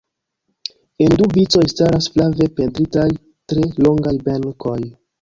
En du vicoj staras flave pentritaj tre longaj benkoj.